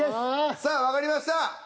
さあわかりました。